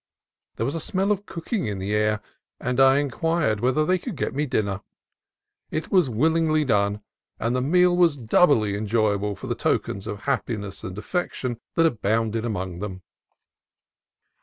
There was a smell of cooking in the air, and I inquired whether they could get me dinner. It was willingly done, and the meal was doubly enjoyable for the tokens of happiness and affection that abounded among them.